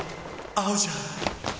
合うじゃん！！